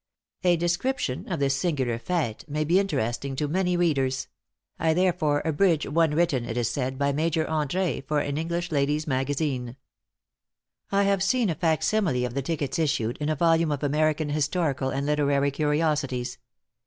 A description of this singular fête may be interesting to many readers; I therefore abridge one written, it is said, by Major André for an English lady's magazine. I have seen a facsimile of the tickets issued, in a volume of American Historical and Literary curiosities.